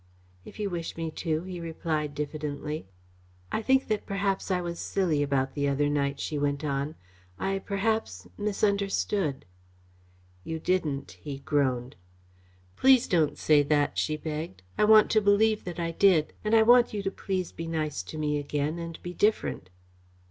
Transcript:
"If you wish me to," he replied diffidently. "I think that perhaps I was silly about the other night," she went on. "I perhaps misunderstood." "You didn't," he groaned. "Please don't say that," she begged. "I want to believe that I did, and I want you to please be nice to me again and be different."